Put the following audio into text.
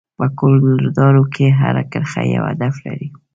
په کولر ډراو کې هره کرښه یو هدف لري.